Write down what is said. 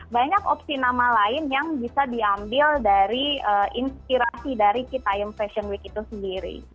banyak opsi nama lain yang bisa diambil dari inspirasi dari citaiem fashion week itu sendiri